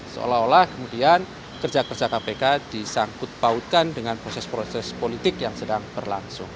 seolah olah kemudian kerja kerja kpk disangkut pautkan dengan proses proses politik yang sedang berlangsung